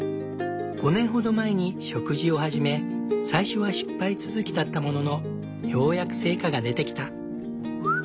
５年ほど前に植樹を始め最初は失敗続きだったもののようやく成果が出てきた。